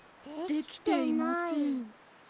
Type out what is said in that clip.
できていません。